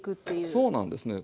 そうなんですね。